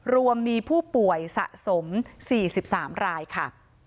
รวมมีผู้ป่วยสะสม๔๓รายค่ะ